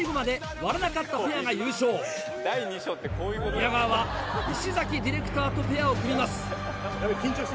宮川は石ディレクターとペアを組みます。